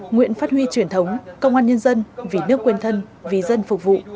nguyện phát huy truyền thống công an nhân dân vì nước quên thân vì dân phục vụ